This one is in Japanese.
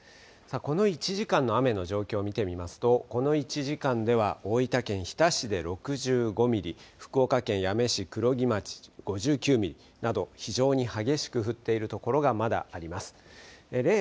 この１時間の雨の状況を見てみますとこの１時間では大分県日田市で６５ミリ、福岡県八女市黒木町５９ミリなど非常に激しく降っているところがまだあります。